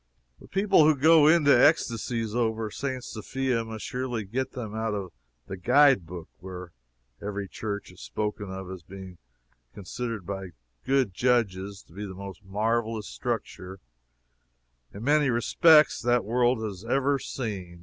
The people who go into ecstasies over St. Sophia must surely get them out of the guide book (where every church is spoken of as being "considered by good judges to be the most marvelous structure, in many respects, that the world has ever seen.")